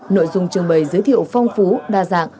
nội dung trưng bày giới thiệu phong phú đa dạng